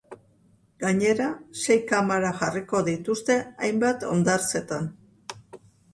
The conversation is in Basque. Gainera, sei kamera jarriko dituzte hainbat hondartzetan.